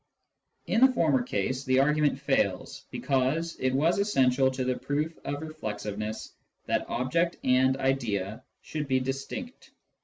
In the former case the argument fails, because it was essential to the proof of reflexiveness that object and idea should be distinct.